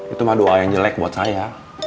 itu mah doa yang jelek buat saya